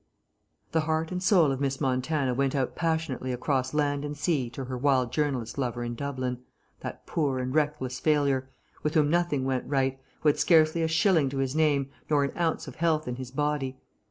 The heart and soul of Miss Montana went out passionately across land and sea to her wild journalist lover in Dublin, that poor and reckless failure, with whom nothing went right, who had scarcely a shilling to his name nor an ounce of health in his body.